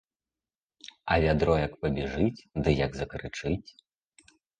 А вядро як пабяжыць ды як закрычыць.